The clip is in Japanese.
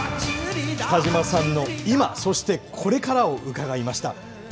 北島さんの今、そしてこれからを伺いました。